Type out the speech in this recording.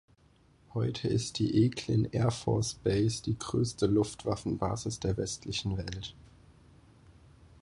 Heute ist die Eglin Air Force Base die größte Luftwaffen-Basis der westlichen Welt.